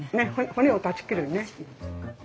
骨を断ち切るね。